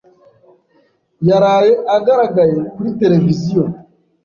Yaraye agaragaye kuri tereviziyo.